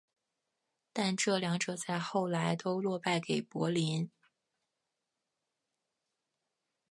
但这两者在后来都落败给柏林。